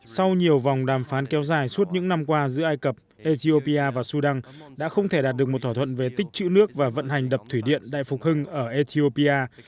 sau nhiều vòng đàm phán kéo dài suốt những năm qua giữa ai cập ethiopia và sudan đã không thể đạt được một thỏa thuận về tích chữ nước và vận hành đập thủy điện đại phục hưng ở ethiopia